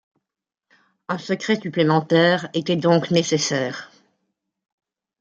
Un secret supplémentaire était donc nécessaire.